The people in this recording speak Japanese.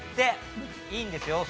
いいんですよ。